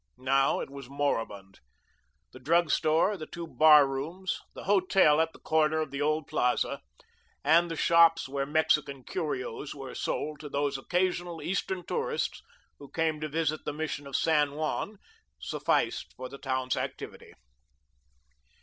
Now it was moribund. The drug store, the two bar rooms, the hotel at the corner of the old Plaza, and the shops where Mexican "curios" were sold to those occasional Eastern tourists who came to visit the Mission of San Juan, sufficed for the town's activity.